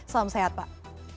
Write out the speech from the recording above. salam sehat pak